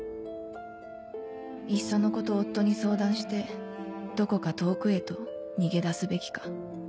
いっそのこと夫に相談してどこか遠くへと逃げ出すべきか